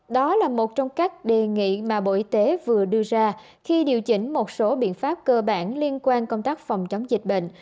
đó là một trong các đề nghị mà bộ y tế vừa đưa ra khi điều chỉnh một số biện pháp cơ bản liên quan công tác phòng chống dịch bệnh